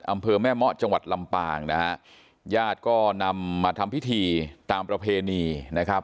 อำเภอแม่เมาะจังหวัดลำปางนะฮะญาติก็นำมาทำพิธีตามประเพณีนะครับ